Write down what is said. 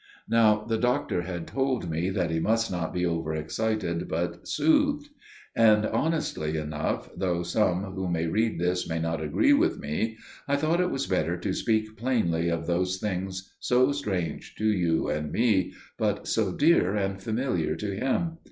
Now the doctor had told me that he must not be over excited, but soothed; and honestly enough, though some who may read this may not agree with me, I thought it was better to speak plainly of those things so strange to you and me, but so dear and familiar to him.